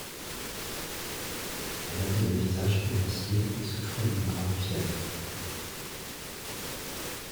Elle avait le visage émacié et souffrait d'une grande fièvre.